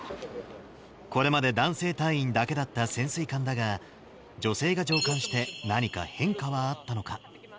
これまで男性隊員だけだった潜水艦だが、女性が乗艦して、何か変化はあったのか。